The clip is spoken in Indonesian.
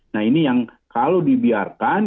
nah ini yang kalau dibiarkan